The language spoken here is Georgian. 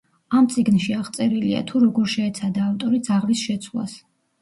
ამ წიგნში აღწერილია თუ როგორ შეეცადა ავტორი ძაღლის შეცვლას.